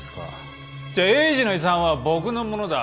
じゃあ栄治の遺産は僕のものだ。